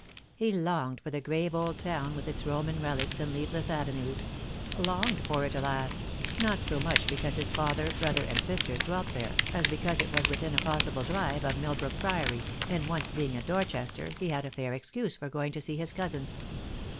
He longed for the grave old town with its Roman relics and leafless avenues; longed for it, alas! not so much because his father, brother, and sisters dwelt there, as because it was within a possible drive of Milbrook Priory, and once being at Dorchester he had a fair excuse for going to see his cousin.